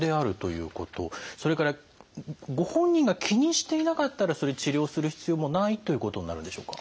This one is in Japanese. それからご本人が気にしていなかったらそれ治療する必要もないということになるんでしょうか？